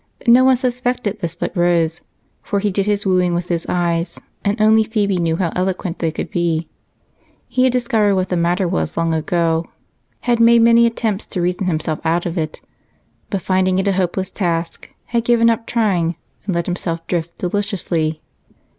No one suspected this but Rose, for he did his wooing with his eyes, and only Phebe knew how eloquent they could be. He had discovered what the matter was long ago had made many attempts to reason himself out of it, but, finding it a hopeless task, had given up trying and let himself drift deliciously.